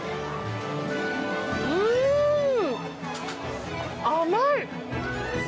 うーん、甘い。